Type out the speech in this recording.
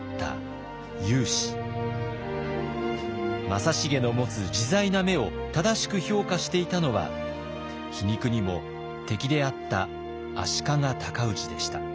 正成の持つ自在な目を正しく評価していたのは皮肉にも敵であった足利尊氏でした。